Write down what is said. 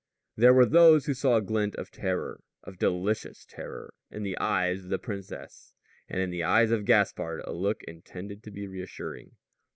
There were those who saw a glint of terror of delicious terror in the eyes of the princess; and in the eyes of Gaspard a look intended to be reassuring.